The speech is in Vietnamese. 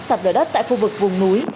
sập đỡ đất tại khu vực vùng núi